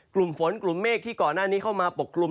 กลุ่มฝนกลุ่มเมฆที่ก่อนหน้านี้เข้ามาปกกลุ่ม